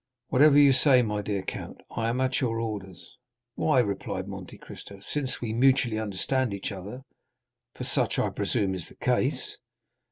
"Whatever you say, my dear count; I am at your orders." "Why," replied Monte Cristo, "since we mutually understand each other—for such I presume is the case?"